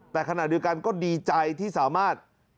แต่ขณะเดียวกันก็ดีใจที่สามารถ